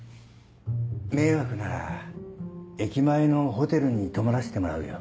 迷惑なら駅前のホテルに泊まらせてもらうよ。